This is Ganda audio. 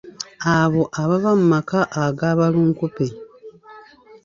Abo abava mu maka aga balunkupe.